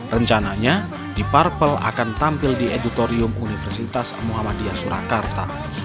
rencananya deep purple akan tampil di edutorium universitas muhammadiyah surakarta